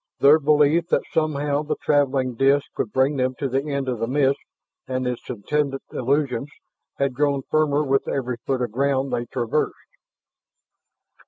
Their belief that somehow the traveling disk would bring them to the end of the mist and its attendant illusions had grown firmer with every foot of ground they traversed.